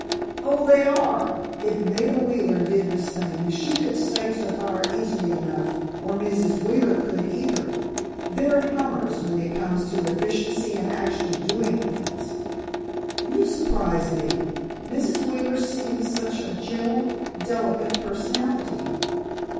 "Oh, they are! If Maida Wheeler did this thing, she could stage the fire easily enough. Or Mrs. Wheeler could, either. They're hummers when it comes to efficiency and actually doing things!" "You surprise me. Mrs. Wheeler seems such a gentle, delicate personality."